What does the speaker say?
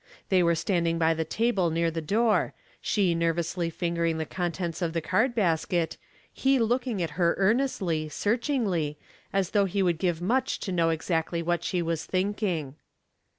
They were standing by the table near the door, she nervously fingering the contents of the card basket, he looking at her earnestly, searchingly 140 Weighty Matters in Small Scales, 141 as though he would give much to know exactly what she was thinking.